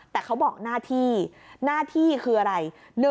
แต่เขาบอกหน้าที่หน้าที่คืออะไร